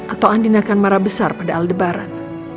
atau andina akan marah besar pada aldebaran